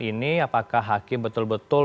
ini apakah hakim betul betul